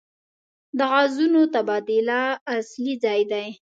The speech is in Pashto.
د غازونو تبادله اصلي ځای دی.